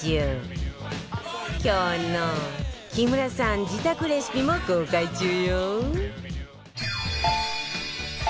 今日の木村さん自宅レシピも公開中よ